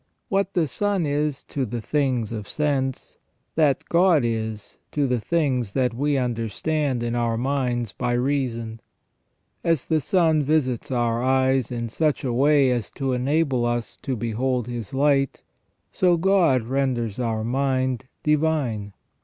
What the sun is to the things of sense, that God is to the things that we understand in our minds by reason. As the sun visits our eyes in such a way as to enable us to behold his light, so God renders our mind divine.